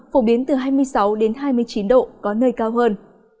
phổ biến từ hai mươi sáu hai mươi chín độ có nơi cao hơn